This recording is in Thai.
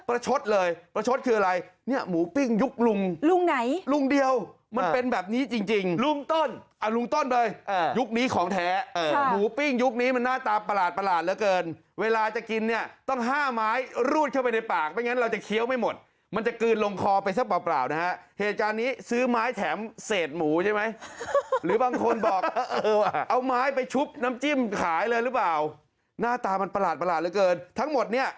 ประชดเลยประชดคืออะไรเนี่ยหมูปิ้งยุคลุงลุงไหนลุงเดียวมันเป็นแบบนี้จริงลุงต้นอ่ะลุงต้นเลยยุคนี้ของแท้หมูปิ้งยุคนี้มันหน้าตาประหลาดประหลาดเหลือเกินเวลาจะกินเนี่ยต้อง๕ไม้รูดเข้าไปในปากไม่งั้นเราจะเคี้ยวไม่หมดมันจะกลืนลงคอไปซะเปล่านะฮะเหตุการณ์นี้ซื้อไม้แถมเศษหมูใช่ไหมหรือบาง